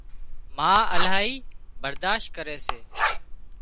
ما الاهي برادشت ڪري سي